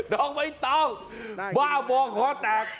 น้องไม่ต้องบ้าบอกข้อแตก